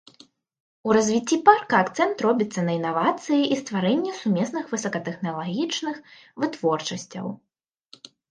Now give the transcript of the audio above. У развіцці парка акцэнт робіцца на інавацыі і стварэнне сумесных высокатэхналагічных вытворчасцяў.